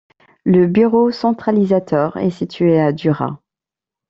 Le bureau centralisateur est situé à Duras.